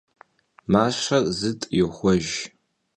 Мащэр зытӀ йохуэж.